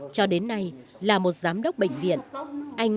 cho đến nay là một giám đốc bệnh viện